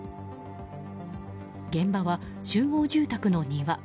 現場は集合住宅の庭。